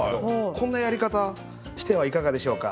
こんなやり方してはいかがでしょうか。